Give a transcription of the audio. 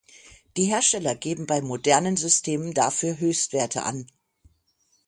Die Hersteller geben bei modernen Systemen dafür Höchstwerte an.